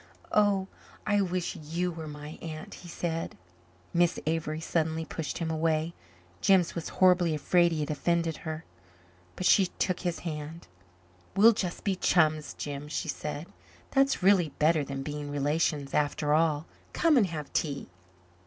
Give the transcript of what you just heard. "Oh, I wish you were my aunt," he said. Miss Avery suddenly pushed him away. Jims was horribly afraid he had offended her. But she took his hand. "We'll just be chums, Jims," she said. "That's really better than being relations, after all. Come and have tea."